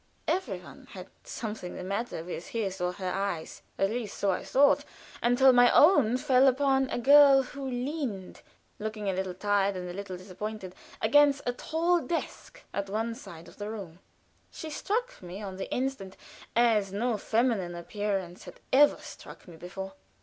Every one had something the matter with his or her eyes at least so I thought, until my own fell upon a girl who leaned, looking a little tired and a little disappointed, against a tall desk at one side of the room. She struck me on the instant as no feminine appearance had ever struck me before.